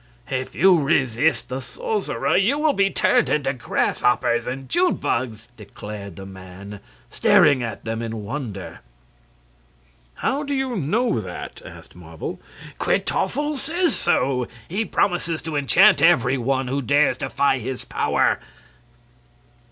"If you resist the sorcerer, you will be turned into grasshoppers and June bugs," declared the man, staring at them in wonder. "How do you know that?" asked Marvel. "Kwytoffle says so. He promises to enchant every one who dares defy his power."